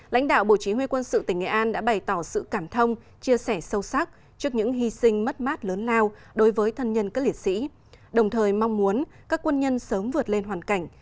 lãnh đạo bộ chỉ huy quân sự tỉnh nghệ an đã bày tỏ sự cảm thông chia sẻ sâu sắc trước những hy sinh mất mát lớn lao đối với thân nhân các liệt sĩ đồng thời mong muốn các quân nhân sớm vượt lên hoàn cảnh